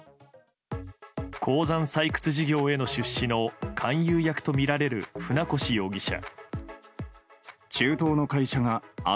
鉱山採掘事業への出資の勧誘役とみられる船越容疑者。